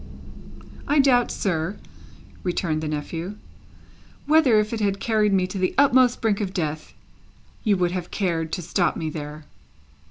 "I doubt, sir," returned the nephew, "whether, if it had carried me to the utmost brink of death, you would have cared to stop me there."